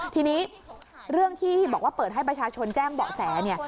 ทีนี้เรื่องที่บอกว่าเปิดให้ประชาชนแจ้งเบาะแสเนี่ย